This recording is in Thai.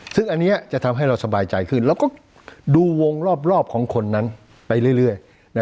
ซึ่งอันนี้จะทำให้เราสบายใจขึ้นแล้วก็ดูวงรอบของคนนั้นไปเรื่อย